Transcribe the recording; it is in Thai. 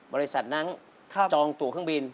บริษัทนั้นจองตัวเครื่องบิน